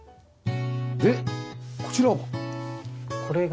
でこちらは？